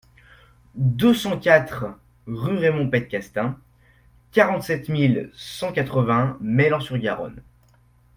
deux cent quatre rue Raymond Peydecastaing, quarante-sept mille cent quatre-vingts Meilhan-sur-Garonne